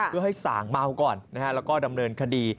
เพื่อให้สางเมาก่อนแล้วก็ดำเนินคดี